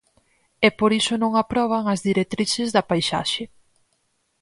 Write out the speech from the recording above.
E por iso non aproban as directrices da paisaxe.